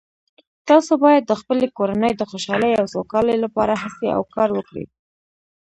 تاسو باید د خپلې کورنۍ د خوشحالۍ او سوکالۍ لپاره هڅې او کار وکړئ